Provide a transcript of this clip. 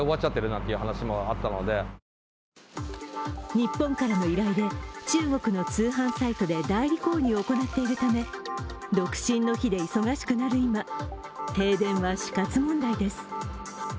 日本からの依頼で、中国の通販サイトで代理購入を行っているため、独身の日で忙しくなる今、停電は死活問題です。